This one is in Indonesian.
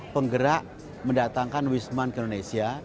penggerak mendatangkan wisman ke indonesia